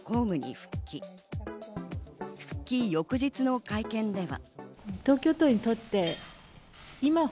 復帰翌日の会見では。